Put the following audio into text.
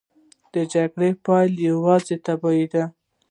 د جګړې پایله یوازې تباهي ده.